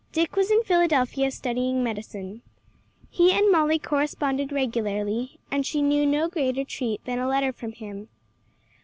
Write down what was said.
Dick was in Philadelphia studying medicine. He and Molly corresponded regularly and she knew no greater treat than a letter from him.